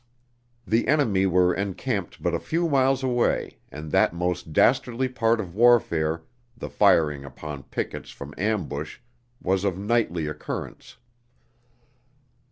The enemy were encamped but a few miles away, and that most dastardly part of warfare, the firing upon pickets from ambush, was of nightly occurrence.